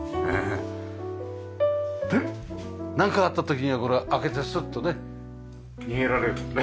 でなんかあった時にはこれ開けてスッとね逃げられるもんね。